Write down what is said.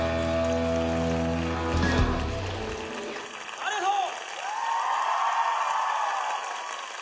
ありがとう！